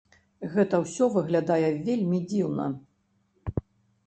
Гэта ўсё выглядае вельмі дзіўна.